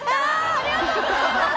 ありがとうございます。